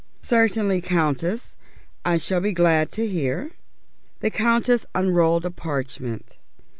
"Certainly, Countess. I shall be glad to hear." The Countess unrolled a parchment.